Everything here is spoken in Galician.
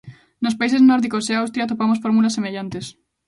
Nos países nórdicos e Austria atopamos fórmulas semellantes.